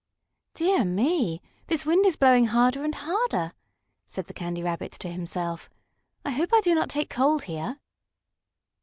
"Dear me! this wind is blowing harder and harder," said the Candy Rabbit to himself. "I hope I do not take cold here."